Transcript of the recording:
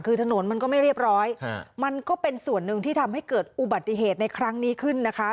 คือถนนมันก็ไม่เรียบร้อยมันก็เป็นส่วนหนึ่งที่ทำให้เกิดอุบัติเหตุในครั้งนี้ขึ้นนะคะ